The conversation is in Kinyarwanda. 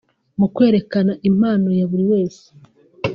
mu kwerekana impano ya buri wese